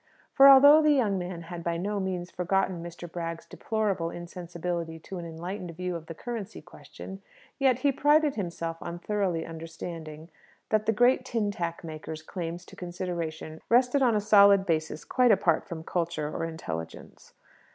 For, although the young man had by no means forgotten Mr. Bragg's deplorable insensibility to an enlightened view of the currency question, yet he prided himself on thoroughly understanding that the great tin tack maker's claims to consideration rested on a solid basis quite apart from culture or intelligence.